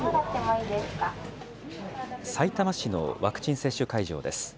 さいたま市のワクチン接種会場です。